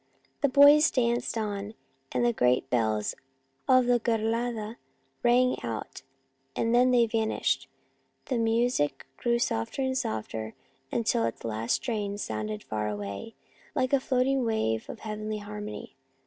The boys danced on until the great bells of the Giralda rang out, and then they vanished, the music grow ing softer and softer, until its last strains sounded far away, like a floating wave of heavenly harmony.